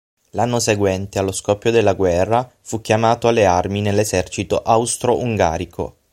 L'anno seguente, allo scoppio della guerra, fu chiamato alle armi nell'esercito austro-ungarico.